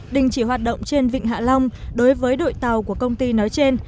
đình chỉ hoạt động trên vịnh hạ long đối với đội tàu của công ty nói trên